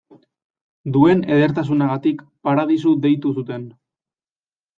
Duen edertasunagatik paradisu deitu zuten.